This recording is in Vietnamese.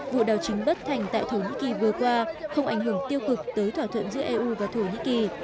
vụ đảo chính bất thành tại thổ nhĩ kỳ vừa qua không ảnh hưởng tiêu cực tới thỏa thuận giữa eu và thổ nhĩ kỳ